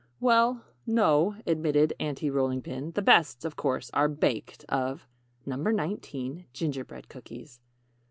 "Well, no," admitted Aunty Rolling Pin, "the best, of course, are baked of NO. 19. GINGERBREAD COOKIES.